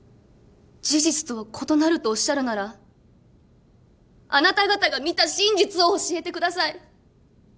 事実とは異なるとおっしゃるならあなた方が見た真実を教えてください。